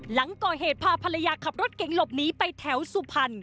หลังก่อเหตุพาภรรยาขับรถเก๋งหลบหนีไปแถวสุพรรณ